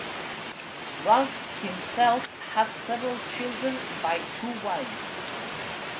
Ralph himself had several children by two wives.